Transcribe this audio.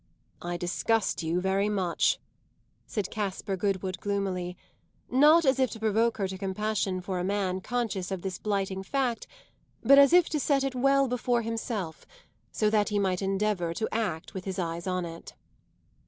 "I disgust you very much," said Caspar Goodwood gloomily; not as if to provoke her to compassion for a man conscious of this blighting fact, but as if to set it well before himself, so that he might endeavour to act with his eyes on it.